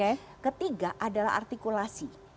dan yang ketiga adalah artikulasi